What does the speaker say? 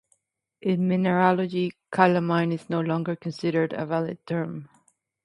In mineralogy calamine is no longer considered a valid term.